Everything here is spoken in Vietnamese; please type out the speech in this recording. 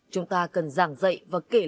chúng ta cần giảng dạy và kể lại